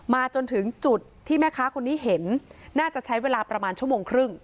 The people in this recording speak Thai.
จนถึงจุดที่แม่ค้าคนนี้เห็นน่าจะใช้เวลาประมาณชั่วโมงครึ่ง